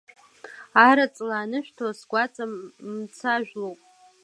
Араҵла анышәҭуа, сгәаҵа мцажәлоуп.